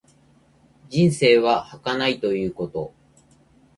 人生は儚いということ。